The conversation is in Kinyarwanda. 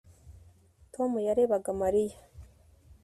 Tom yarebaga Mariya